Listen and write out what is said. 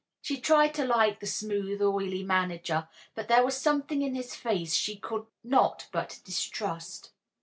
She tried to like the smooth, oily manager, but there was something in his face she could not but distrust.